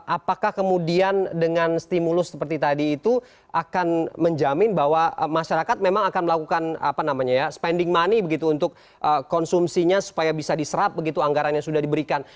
apakah kemudian dengan stimulus seperti tadi itu akan menjamin bahwa masyarakat memang akan melakukan spending money begitu untuk konsumsinya supaya bisa diserap begitu anggaran yang sudah diberikan